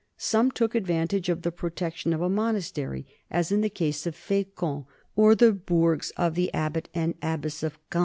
Some took advantage of the protection of a monastery, as in the case of Fecamp or the bourgs of the abbot and abbess of Caen.